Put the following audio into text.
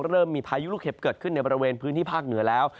เริ่มมีพายุลูกเห็บเกิดขึ้นในบริเวณพื้นที่ภาคเหนือแล้ว